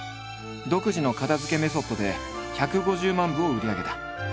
独自の片づけメソッドで１５０万部を売り上げた。